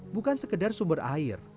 bukan sekedar sumber air